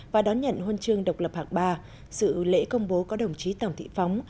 và đón nhận huân chương độc lập hạng ba sự lễ công bố có đồng chí tổng thị phóng